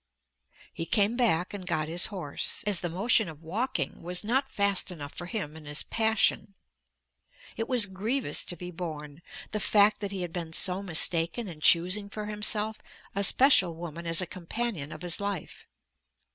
He came back and got his horse, as the motion of walking was not fast enough for him in his passion. It was grievous to be borne, the fact that he had been so mistaken in choosing for himself a special woman as a companion of his life.